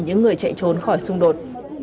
những người chạy trốn khỏi xung đột